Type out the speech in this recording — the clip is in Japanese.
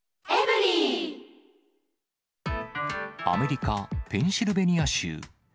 アメリカ・ペンシルベニア州。